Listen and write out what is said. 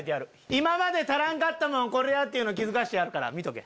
今まで足らんかったのはこれやっていうのを気付かせてやるから見とけ。